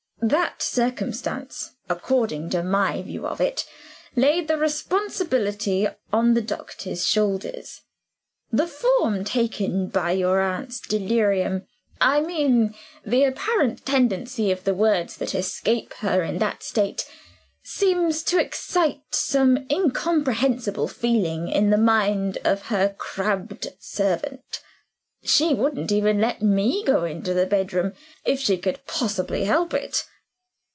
That circumstance, according to my view of it, laid the responsibility on the doctor's shoulders. The form taken by your aunt's delirium I mean the apparent tendency of the words that escape her in that state seems to excite some incomprehensible feeling in the mind of her crabbed servant. She wouldn't even let me go into the bedroom, if she could possibly help it.